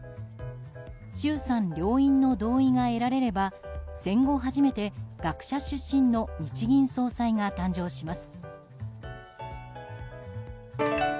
衆参両院の同意が得られれば戦後初めて学者出身の日銀総裁が誕生します。